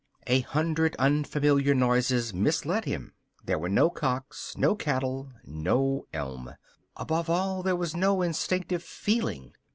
A hundred unfamiliar noises misled him. There were no cocks, no cattle, no elm. Above all, there was no instinctive feeling.